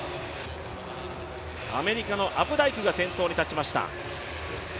アメリカのアプダイクが先頭に立ちました。